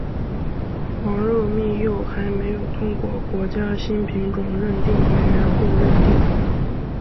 黄肉蜜柚还没有通过国家新品种认定委员会认定。